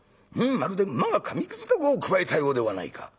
まるで馬が紙くず籠をくわえたようではないか』」。